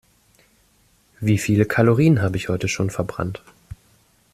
Wie viele Kalorien habe ich heute schon verbrannt?